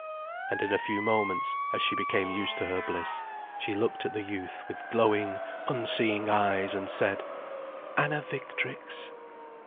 And in a few moments, as she became used to her bliss, she looked at the youth with glowing, unseeing eyes, and said: "Anna Victrix."